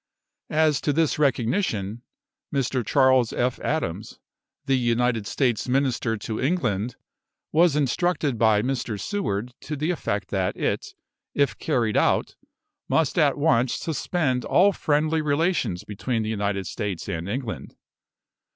As to this recognition, Mr. Charles F. Adams, the United States Minister to England, was instructed by Mr. Seward to the effect that it, if carried out, must at once suspend all friendly relations between the United States and England.